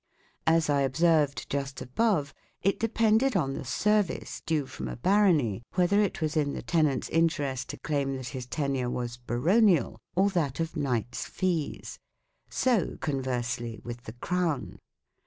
As I observed, just above, it depended on the " service " due from a barony whether it was in the tenant's interest to claim that his tenure was " baronial " or that of " knights' fees ". So, con versely, with the Crown.